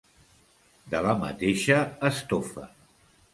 De la mateixa estofa.